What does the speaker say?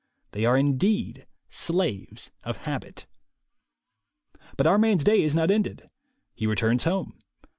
They are indeed slaves of habit. But our man's day is not ended. He returns home.